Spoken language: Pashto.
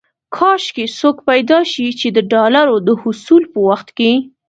کاش کې څوک پيدا شي چې د ډالرو د حصول په وخت کې.